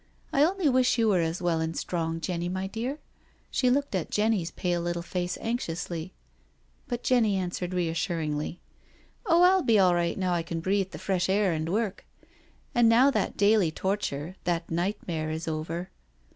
I only wish you were as well and strong, Jenny my dear.'* She looked at Jenny's pale little face anxiously. But Jenny answered reassuringly :" Oh, I'll be all right now I can breathe the fresh air and work; and now that daily torture— that night mare—is over.'